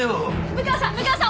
六川さん！